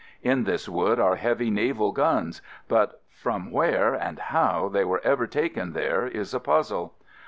In this wood are heavy naval guns, but from where and how they were ever taken there is a puzzle.